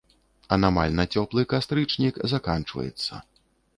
Анамальна цёплы кастрычнік заканчваецца.